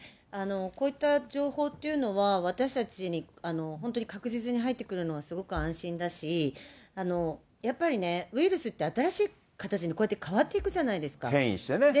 こういった情報っていうのは、私たちに本当に確実に入ってくるのはすごく安心だし、やっぱりね、ウイルスって新しい形に変わっていくじゃないですか。